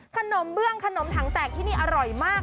เบื้องขนมถังแตกที่นี่อร่อยมาก